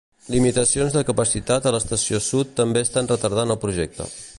Limitacions de capacitat a l'Estació Sud també estan retardant el projecte.